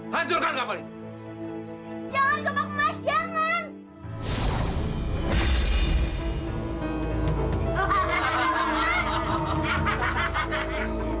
hancurkan kapal ini